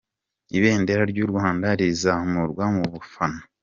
Ibendera ry'u Rwanda rizamurwa mu bafana.